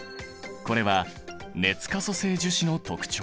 これは熱可塑性樹脂の特徴。